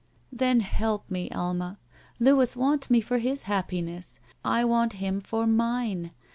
''Then help me, Alma. Louis wants me for his happiness. I want him for mine.